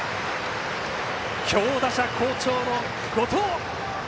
強打者好調の後藤。